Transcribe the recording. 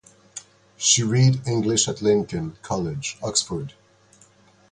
She read English at Lincoln College, Oxford.